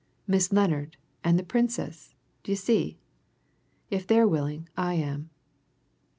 Miss Lennard and the Princess, d'ye see? If they're willing, I am."